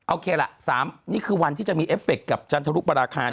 โอเคล่ะ๓นี่คือวันที่จะมีเอฟเฟคกับจันทรุปราคาร